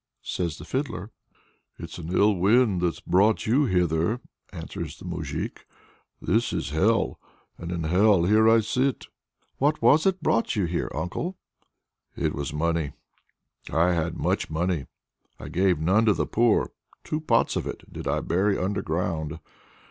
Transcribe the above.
says the Fiddler. "It's an ill wind that's brought you hither!" answers the moujik; "this is hell, and in hell here I sit." "What was it brought you here, uncle?" "It was money! I had much money: I gave none to the poor, two pots of it did I bury underground.